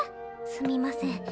すみません。